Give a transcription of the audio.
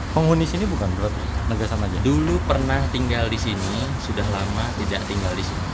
penghuni sini bukan buat negara sama aja dulu pernah tinggal di sini sudah lama tidak tinggal di sini